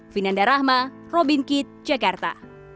vinanda rahma robin kitt jakarta